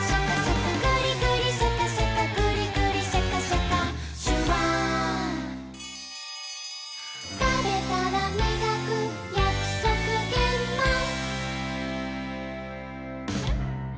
「グリグリシャカシャカグリグリシャカシャカ」「シュワー」「たべたらみがくやくそくげんまん」